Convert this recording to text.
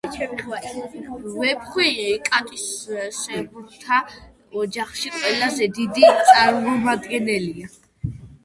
ვეფხვი კატისებრთა ოჯახის ყველაზე დიდი წარმომადგენელია.